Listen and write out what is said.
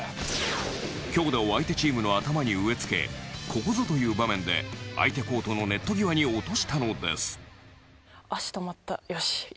強打を相手チームの頭に植えつけここぞという場面で相手コートのネット際に落としたのです。